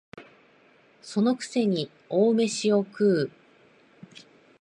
その癖に大飯を食う